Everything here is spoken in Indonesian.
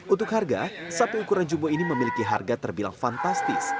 untuk harga sapi ukuran jumbo ini memiliki harga terbilang fantastis